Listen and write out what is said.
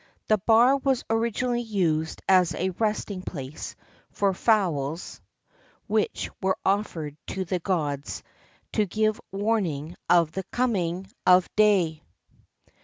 The bar was originally used as a resting place for fowls which were ofifered to the gods to give warn ing of the coming of day.